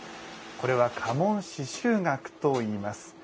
これは、家紋刺繍額といいます。